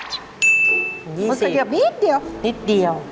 เพราะเสียบนิดเดียวนิดเดียว